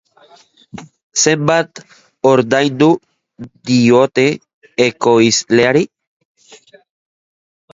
Zenbat ordaindu diote ekoizleari?